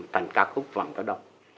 thành ca khúc vàng cỏ đông